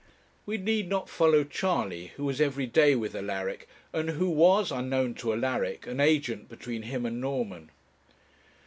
We need not follow Charley, who was everyday with Alaric, and who was, unknown to Alaric, an agent between him and Norman.